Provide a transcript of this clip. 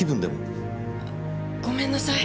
あごめんなさい。